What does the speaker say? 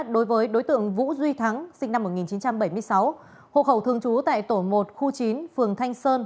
đối với đối tượng vũ duy thắng sinh năm một nghìn chín trăm bảy mươi sáu hộ khẩu thường trú tại tổ một khu chín phường thanh sơn